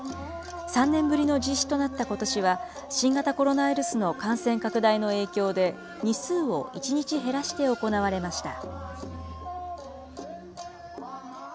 ３年ぶりの実施となったことしは、新型コロナウイルスの感染拡大の影響で、日数を１日減らして行われました。